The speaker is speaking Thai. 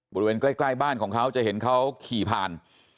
บริเวณใกล้บ้านของเขาจะเห็นเขาขี่ผ่าน